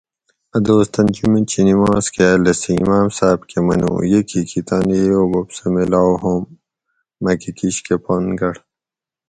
"ا دوس تن جُمیت شی نِماز کاۤ لھسی امام صاۤب کہ منو ""یہ کِھیکی تانی ییو بوب سہ میلاؤ ہوم؟ مکہ کِشکہ پن گۤڑ"""